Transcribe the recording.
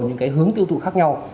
những hướng tiêu thụ khác nhau